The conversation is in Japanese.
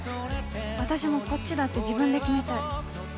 私も、こっちだって自分で決めたい。